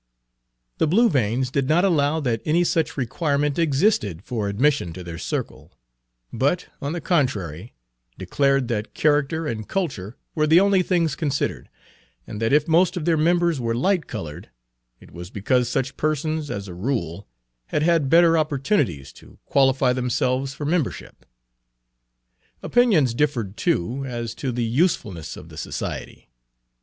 The Blue Veins did not allow that any such requirement existed for admission to their circle, but, on the contrary, declared that character and culture were the only things considered; and that if most of their members were light colored, it was because such persons, as a rule, had had better opportunities to qualify themselves for membership. Opinions differed, too, as to the usefulness of the society.